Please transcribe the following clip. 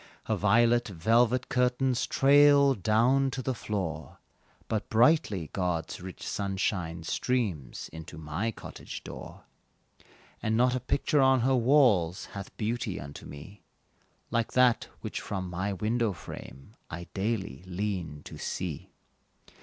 Her violet velvet curtains trail Down to the floor, But brightly God's rich sunshine streams Into my cottage door; And not a picture on her walls, Hath beauty unto me, Like that which from my window frame I daily lean to see.